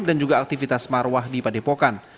dan juga aktivitas marwah di padepokan